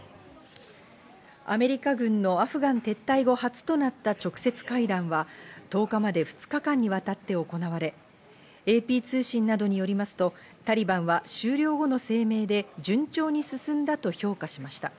アメリカ軍のアフガン撤退後初となった直接会談は１０日まで２日間にわたって行われ、ＡＰ通信などによりますと、タリバンは終了後の声明で、順調に進んだと評価しました。